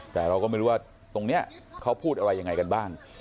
แต่เราก็ไม่รู้ว่าตรงนี้เขาพูดอะไรยังไงกันบ้าง